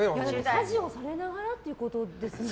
家事をされながらってことですもんね。